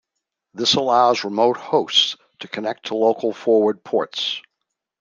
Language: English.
This allows remote hosts to connect to local forwarded ports.